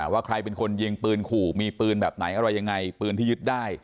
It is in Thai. ว่าใครเป็นคนเยี่ยงปืนขู่มีปืนแบบไหนอะไรยังไง